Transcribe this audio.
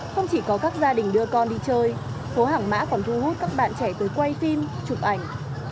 không chỉ có các gia đình đưa con đi chơi phố hàng mã còn thu hút các bạn trẻ tới quay phim chụp ảnh